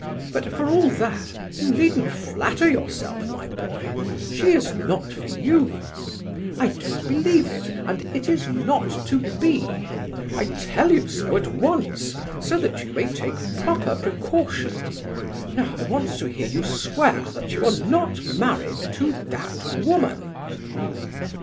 But for all that you needn't flatter yourself, my boy; she is not for you. I don't believe it, and it is not to be. I tell you so at once, so that you may take proper precautions. Now, I want to hear you swear that you are not married to that woman?"